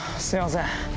すいません。